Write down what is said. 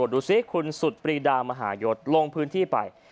ดูสิคุณสุดปรีดามหายศลงพื้นที่ไป